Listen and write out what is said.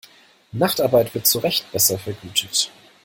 Nachtarbeit wird zurecht besser vergütet.